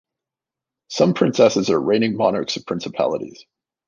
Some princesses are reigning monarchs of principalities.